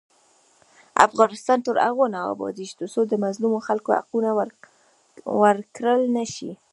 افغانستان تر هغو نه ابادیږي، ترڅو د مظلومو خلکو حقونه ورکړل نشي.